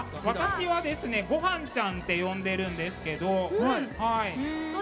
私は「ごはんちゃん」って呼んでるんですけど。